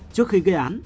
trước khi gây án